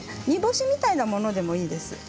煮干しみたいなものでもいいです。